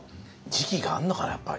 時期があんのかなやっぱ。